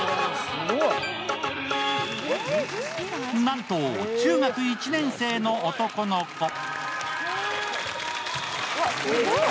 なんと、中学１年生の男の子。